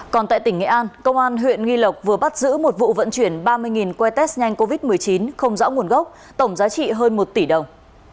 còn tại tỉnh nghệ an công an huyện nghi lộc vừa bắt giữ một vụ vận chuyển ba mươi que test nhanh covid một mươi chín không rõ nguồn gốc tổng giá trị hơn một tỷ đồng